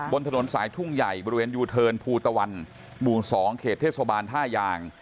บนถนนสายทุ่งใหญ่บริเวณยูเทิร์นภูตะวันหมู่๒เขตเทศบาลท่ายาง